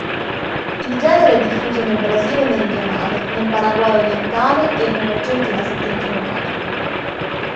Il genere è diffuso nel Brasile meridionale, nel Paraguay orientale e nell'Argentina settentrionale.